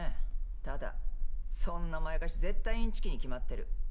ただそんなまやかし絶対いんちきに決まってる。